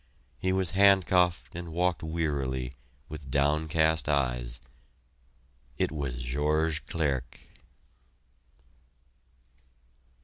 He was handcuffed and walked wearily, with downcast eyes It was George Clerque!